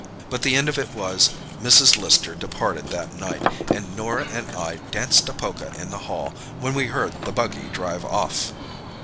But the end of it was, Mrs. Lister departed that night, and Norah and I danced a polka in the hall when we heard the buggy drive off."